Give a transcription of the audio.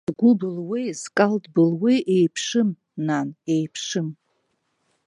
Згәы былуеи, зкалҭ былуеи еиԥшым, нан, еиԥшым!